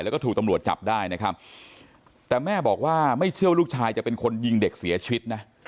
แล้วก็ถูกตำรวจจับได้นะครับแต่แม่บอกว่าไม่เชื่อว่าลูกชายจะเป็นคนยิงเด็กเสียชีวิตนะ